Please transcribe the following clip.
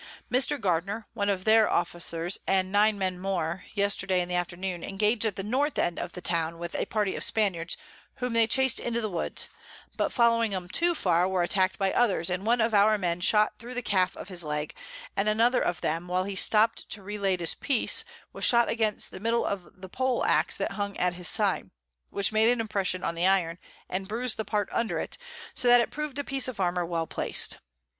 Mr. Gardner, one of their Officers, and 9 Men more, yesterday in the Afternoon engag'd at the North end of the Town with a Party of Spaniards, whom they chased into the Woods, but following 'em too far, were attack'd by others, and one of our Men shot through the Calf of his Leg, and another of them, while he stopt to relade his Piece, was shot against the Middle of the Pole ax that hung at his Side, which made an Impression on the Iron, and bruised the Part under it, so that it prov'd a Piece of Armour well placed.